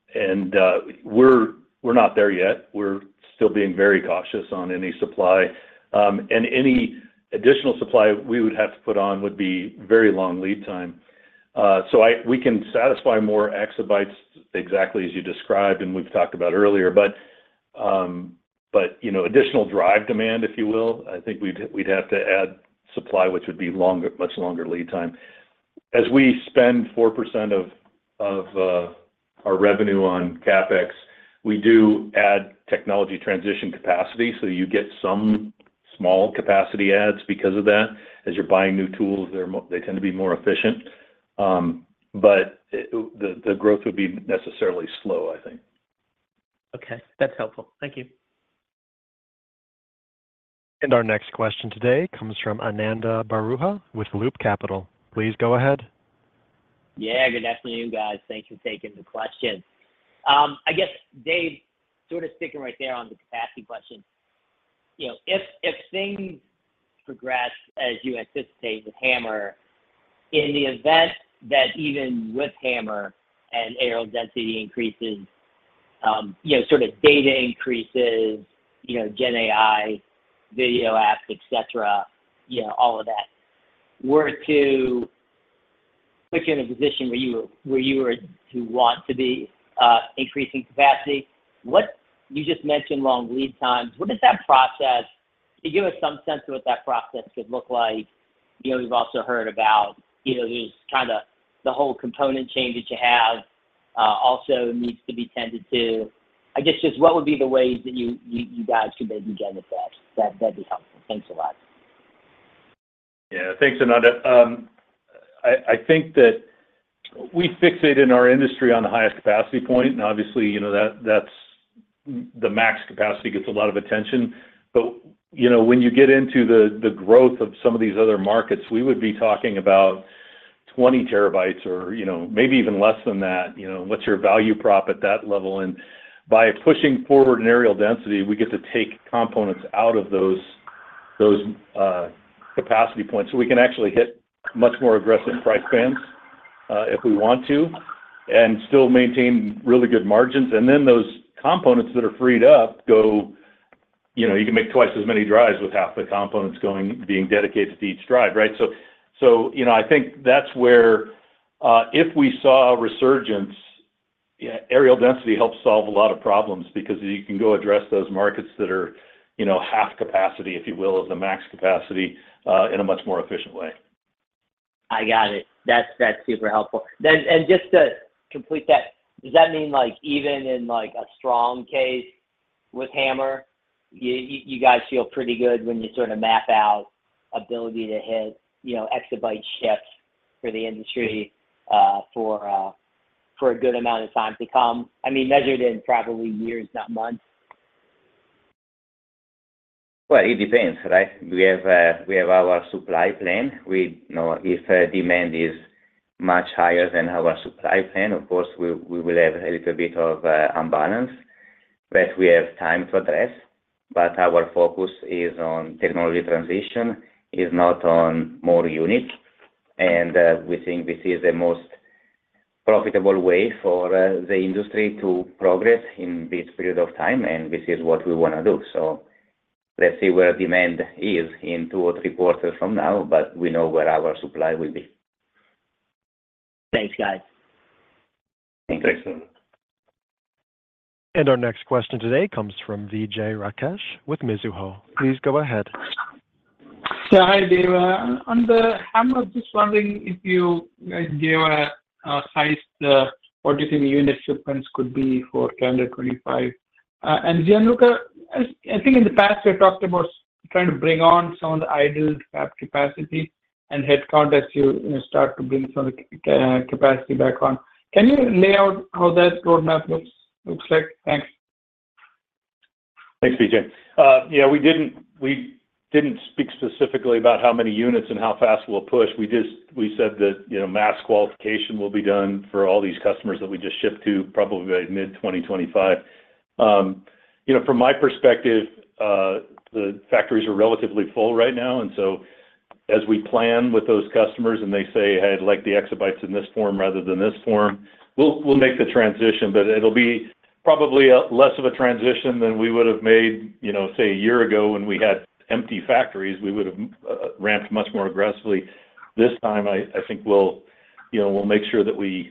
we're not there yet. We're still being very cautious on any supply. And any additional supply we would have to put on would be very long lead time. So we can satisfy more EBs, exactly as you described, and we've talked about earlier, but, you know, additional drive demand, if you will, I think we'd have to add supply, which would be longer, much longer lead time. As we spend 4% of our revenue on CapEx, we do add technology transition capacity, so you get some small capacity adds because of that. As you're buying new tools, they're more efficient, but the growth would be necessarily slow, I think. Okay, that's helpful. Thank you. And our next question today comes from Ananda Baruah with Loop Capital. Please go ahead. Yeah, good afternoon, guys. Thanks for taking the question. I guess, Dave, sort of sticking right there on the capacity question, you know, if things progress as you anticipate with HAMR, in the event that even with HAMR and areal density increases, you know, sort of data increases, you know, Gen AI, video apps, et cetera, you know, all of that were to put you in a position where you were to want to be increasing capacity, what? You just mentioned long lead times. What does that process? Can you give us some sense of what that process could look like? You know, we've also heard about, you know, just kind of the whole component change that you have also needs to be tended to. I guess, just what would be the ways that you guys could maybe generate that? That, that'd be helpful. Thanks a lot. Yeah. Thanks, Ananda. I think that we fixate in our industry on the highest capacity point, and obviously, you know, that, that's the max capacity gets a lot of attention. But, you know, when you get into the growth of some of these other markets, we would be talking about 20 TB or, you know, maybe even less than that. You know, what's your value prop at that level? And by pushing forward in areal density, we get to take components out of those capacity points, so we can actually hit much more aggressive price bands, if we want to, and still maintain really good margins. And then those components that are freed up go, you know, you can make twice as many drives with half the components being dedicated to each drive, right? You know, I think that's where, if we saw a resurgence, yeah, areal density helps solve a lot of problems because you can go address those markets that are, you know, half capacity, if you will, of the max capacity, in a much more efficient way. I got it. That's, that's super helpful. Then, and just to complete that, does that mean, like, even in, like, a strong case with HAMR, you, you guys feel pretty good when you sort of map out ability to hit, you know, EB shifts for the industry, for a good amount of time to come? I mean, measured in probably years, not months. It depends, right? We have our supply plan. We know if demand is much higher than our supply plan, of course, we will have a little bit of imbalance, but we have time to address. But our focus is on technology transition, is not on more volume, and we think this is the most profitable way for the industry to progress in this period of time, and this is what we want to do. Let's see where demand is in two or three quarters from now, but we know where our supply will be. Thanks, guys. Thanks. Thanks. Our next question today comes from Vijay Rakesh with Mizuho. Please go ahead. Hi, Dave. I'm just wondering if you gave a high, what you think the unit shipments could be for calendar 2025. And Gianluca, I think in the past, you talked about trying to bring on some of the idle capacity and headcount as you, you know, start to bring some of the capacity back on. Can you lay out how that roadmap looks like? Thanks. Thanks, Vijay. Yeah, we didn't speak specifically about how many units and how fast we'll push. We just said that, you know, mass qualification will be done for all these customers that we just shipped to, probably by mid-2025. You know, from my perspective, the factories are relatively full right now, and so as we plan with those customers, and they say, "Hey, I'd like the EBs in this form rather than this form," we'll make the transition, but it'll be probably a less of a transition than we would have made, you know, say, a year ago when we had empty factories. We would have ramped much more aggressively. This time, I think we'll make sure that we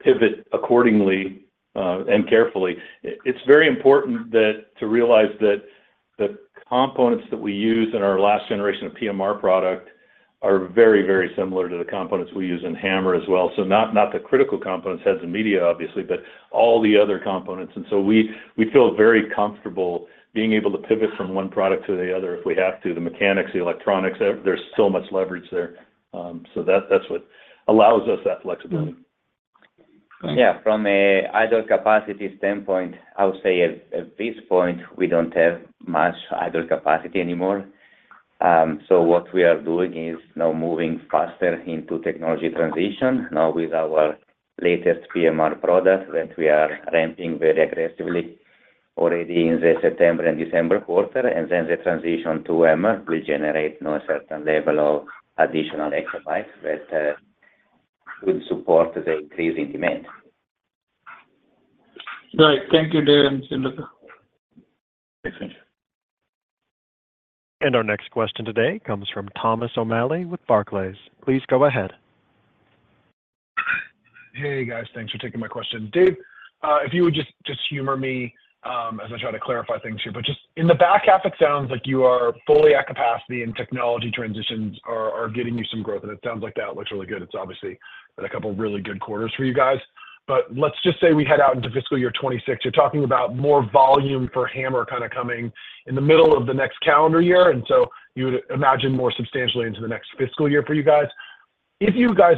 pivot accordingly and carefully. It's very important that to realize that the components that we use in our last generation of PMR product are very, very similar to the components we use in HAMR as well. So not the critical components, heads and media, obviously, but all the other components. And so we feel very comfortable being able to pivot from one product to the other if we have to. The mechanics, the electronics, there's so much leverage there. So that's what allows us that flexibility. Yeah. From a idle capacity standpoint, I would say at this point, we don't have much idle capacity anymore. So what we are doing is now moving faster into technology transition, now with our latest PMR product, that we are ramping very aggressively already in the September and December quarter, and then the transition to HAMR will generate now a certain level of additional EB that will support the increasing demand. Right. Thank you, Dave and Gianluca. Thanks. And our next question today comes from Thomas O'Malley with Barclays. Please go ahead. Hey, guys. Thanks for taking my question. Dave, if you would just humor me, as I try to clarify things here. But just in the back half, it sounds like you are fully at capacity and technology transitions are getting you some growth, and it sounds like that looks really good. It's obviously been a couple of really good quarters for you guys. But let's just say we head out into fiscal year 2026, you're talking about more volume for HAMR kind of coming in the middle of the next calendar year, and so you would imagine more substantially into the next fiscal year for you guys. If you guys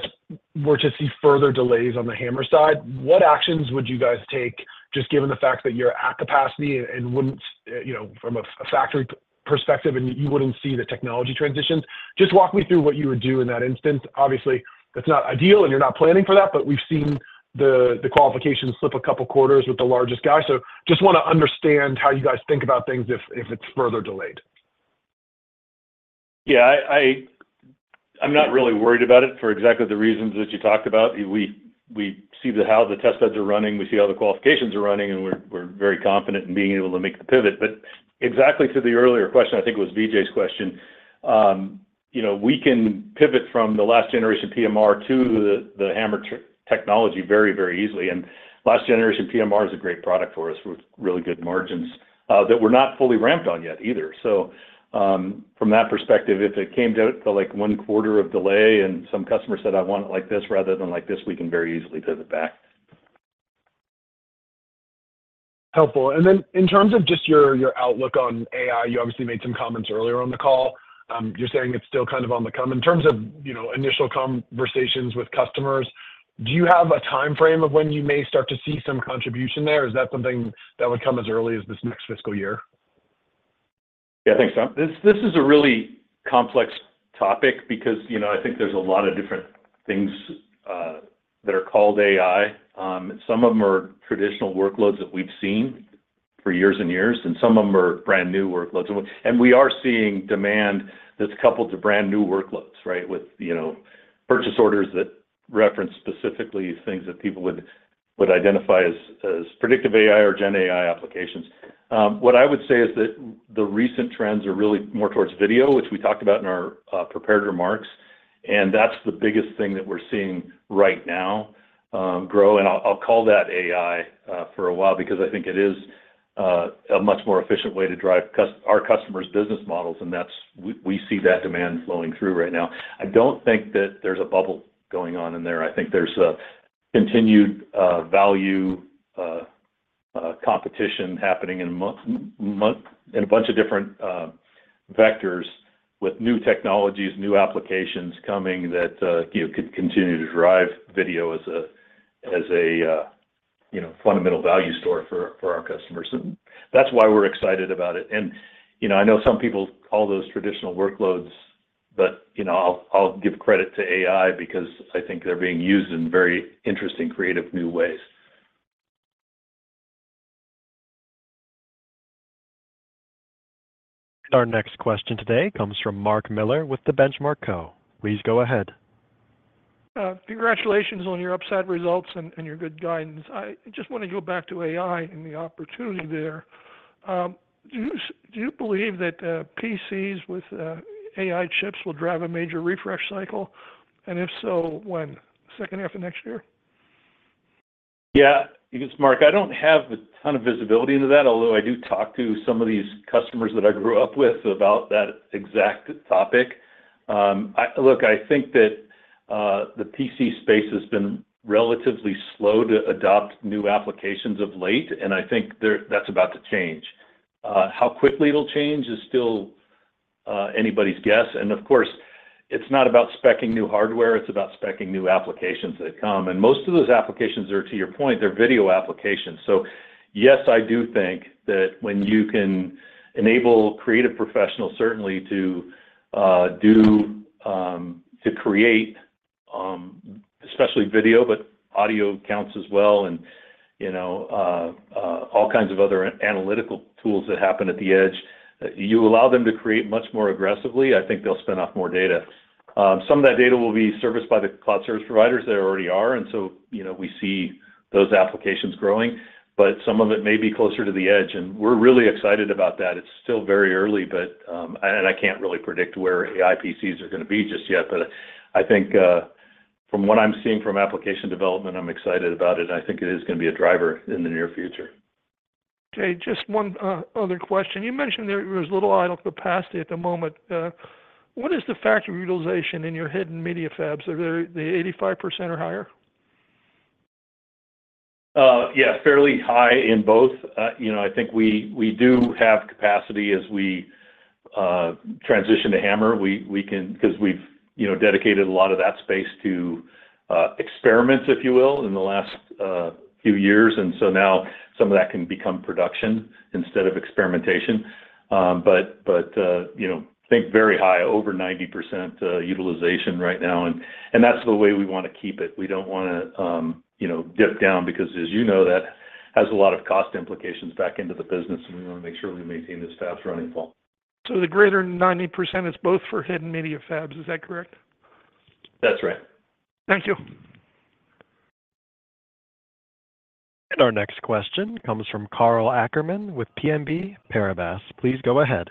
were to see further delays on the HAMR side, what actions would you guys take, just given the fact that you're at capacity and wouldn't, you know, from a factory perspective, and you wouldn't see the technology transitions? Just walk me through what you would do in that instance. Obviously, that's not ideal and you're not planning for that, but we've seen the qualifications slip a couple quarters with the largest guy. So just wanna understand how you guys think about things if it's further delayed. Yeah, I'm not really worried about it for exactly the reasons that you talked about. We see how the test beds are running, we see how the qualifications are running, and we're very confident in being able to make the pivot. But exactly to the earlier question, I think it was Vijay's question, you know, we can pivot from the last generation PMR to the HAMR technology very, very easily. And last generation PMR is a great product for us with really good margins that we're not fully ramped on yet either. So, from that perspective, if it came down to, like, one quarter of delay and some customer said, "I want it like this rather than like this," we can very easily pivot back. Helpful. And then in terms of just your outlook on AI, you obviously made some comments earlier on the call. You're saying it's still kind of on the come. In terms of, you know, initial conversations with customers, do you have a timeframe of when you may start to see some contribution there? Is that something that would come as early as this next fiscal year? Yeah, thanks, Tom. This is a really complex topic because, you know, I think there's a lot of different things that are called AI. Some of them are traditional workloads that we've seen for years and years, and some of them are brand-new workloads. And we are seeing demand that's coupled to brand-new workloads, right? With, you know, purchase orders that reference specifically things that people would identify as predictive AI or gen AI applications. What I would say is that the recent trends are really more towards video, which we talked about in our prepared remarks, and that's the biggest thing that we're seeing right now grow. I'll call that AI for a while because I think it is a much more efficient way to drive our customers' business models, and we see that demand flowing through right now. I don't think that there's a bubble going on in there. I think there's a continued value competition happening in a bunch of different vectors with new technologies, new applications coming that you know could continue to drive video as a you know fundamental value store for our customers. That's why we're excited about it. You know, I know some people call those traditional workloads, but you know, I'll give credit to AI because I think they're being used in very interesting, creative, new ways. Our next question today comes from Mark Miller with The Benchmark Co. Please go ahead. Congratulations on your upside results and your good guidance. I just want to go back to AI and the opportunity there. Do you believe that PCs with AI chips will drive a major refresh cycle? And if so, when? Second half of next year? Yeah, thanks, Mark. I don't have a ton of visibility into that, although I do talk to some of these customers that I grew up with about that exact topic. Look, I think that the PC space has been relatively slow to adopt new applications of late, and I think that's about to change. How quickly it'll change is still anybody's guess. And of course, it's not about speccing new hardware, it's about speccing new applications that come. And most of those applications are, to your point, they're video applications. So yes, I do think that when you can enable creative professionals, certainly, to do to create, especially video, but audio counts as well, and, you know, all kinds of other analytical tools that happen at the edge, you allow them to create much more aggressively. I think they'll spin off more data. Some of that data will be serviced by the cloud service providers, they already are, and so, you know, we see those applications growing, but some of it may be closer to the edge, and we're really excited about that. It's still very early, but, and I can't really predict where AI PCs are gonna be just yet, but I think. From what I'm seeing from application development, I'm excited about it, and I think it is going to be a driver in the near future. Okay, just one other question. You mentioned there was little idle capacity at the moment. What is the factory utilization in your HDD media fabs? Are they 85% or higher? Yeah, fairly high in both. You know, I think we do have capacity as we transition to HAMR. We can because we've you know dedicated a lot of that space to experiments, if you will, in the last few years. And so now some of that can become production instead of experimentation. You know, think very high, over 90% utilization right now, and that's the way we want to keep it. We don't wanna you know dip down because as you know, that has a lot of cost implications back into the business, and we want to make sure we maintain this fabs running full. So the greater than 90% is both for head and media fabs. Is that correct? That's right. Thank you. And our next question comes from Karl Ackerman with BNP Paribas. Please go ahead.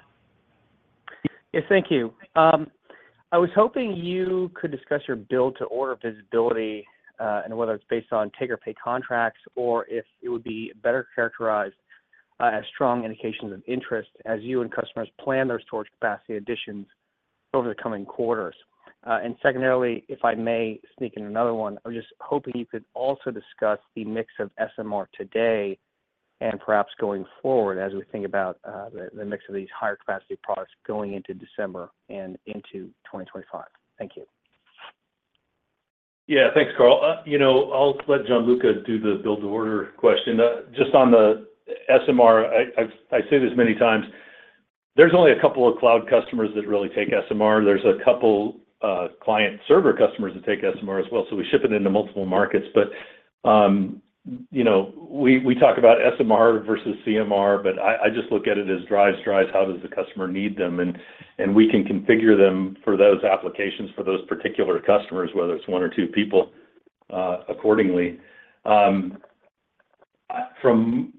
Yes, thank you. I was hoping you could discuss your build-to-order visibility, and whether it's based on take-or-pay contracts, or if it would be better characterized as strong indications of interest as you and customers plan their storage capacity additions over the coming quarters, and secondarily, if I may sneak in another one, I was just hoping you could also discuss the mix of SMR today and perhaps going forward as we think about the mix of these higher capacity products going into December and into 2025. Thank you. Yeah, thanks, Karl. You know, I'll let Gianluca do the build-to-order question. Just on the SMR, I say this many times, there's only a couple of cloud customers that really take SMR. There's a couple client server customers that take SMR as well, so we ship it into multiple markets. But you know, we talk about SMR versus CMR, but I just look at it as drives, how does the customer need them? We can configure them for those applications, for those particular customers, whether it's one or two people, accordingly. From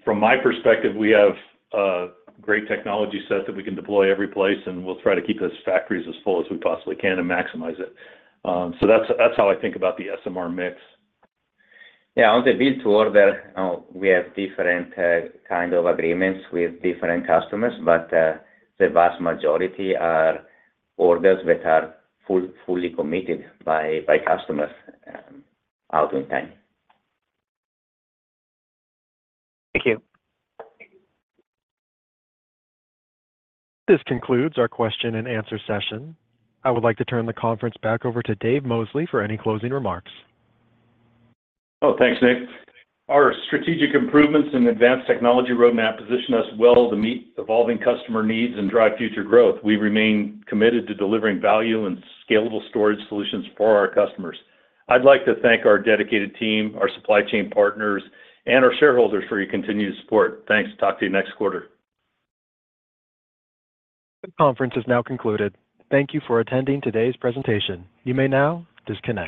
my perspective, we have a great technology set that we can deploy every place, and we'll try to keep those factories as full as we possibly can and maximize it. So that's how I think about the SMR mix. Yeah, on the build-to-order, we have different kind of agreements with different customers, but the vast majority are orders that are fully committed by customers out in time. Thank you. This concludes our question and answer session. I would like to turn the conference back over to Dave Mosley for any closing remarks. Oh, thanks, Nick. Our strategic improvements in advanced technology roadmap position us well to meet evolving customer needs and drive future growth. We remain committed to delivering value and scalable storage solutions for our customers. I'd like to thank our dedicated team, our supply chain partners, and our shareholders for your continued support. Thanks. Talk to you next quarter. The conference is now concluded. Thank you for attending today's presentation. You may now disconnect.